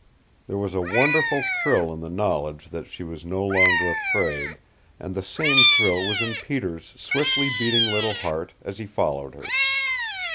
There was a wonderful thrill in the knowledge that she was no longer afraid, and the same thrill was in Peter's swiftly beating little heart as he followed her.